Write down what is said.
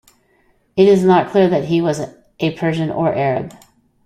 It is not clear that he was a Persian or Arab.